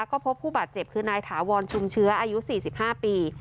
ก็พบผู้บาดเจ็บคือนายถาวรชุมเชื้ออายุ๔๕ปี